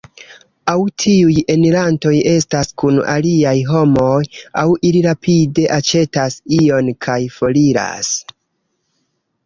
Aŭ tiuj enirantoj estas kun aliaj homoj, aŭ ili rapide aĉetas ion kaj foriras.